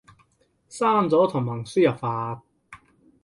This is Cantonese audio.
刪咗同文輸入法